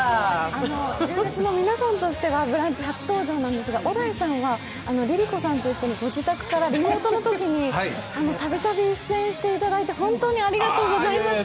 純烈の皆さんとしては「ブランチ」初登場なんですが小田井さんはＬｉＬｉＣｏさんと一緒にご自宅からリモートのときにたたびたび出演していただいて本当にありがとうございました。